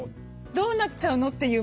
「どうなっちゃうの？」っていう